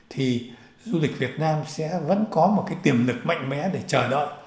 thì du lịch việt nam sẽ vẫn có một cái tiềm lực mạnh mẽ để chờ đợi